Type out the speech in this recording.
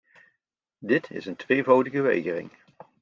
Dit is een tweevoudige weigering.